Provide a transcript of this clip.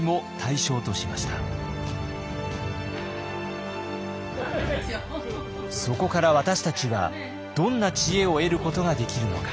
そこから私たちはどんな知恵を得ることができるのか。